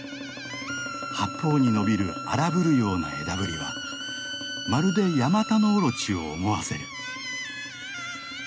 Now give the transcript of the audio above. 八方に伸びる荒ぶるような枝ぶりはまるでヤマタノオロチを思わせる。